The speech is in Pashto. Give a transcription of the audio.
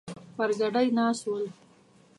پر ګدۍ ناست ول.